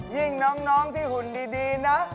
ยิ่งน้องที่หุ่นดีนะ